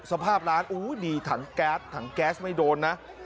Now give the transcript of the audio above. สภาพร้านดีถังแก๊สถังแก๊สไม่โดนนะ